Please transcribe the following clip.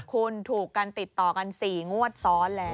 คุณถูกกันติดต่อกัน๔งวดซ้อนแล้ว